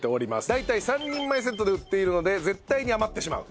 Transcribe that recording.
大体３人前セットで売っているので絶対に余ってしまう。